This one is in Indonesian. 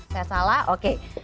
saya salah oke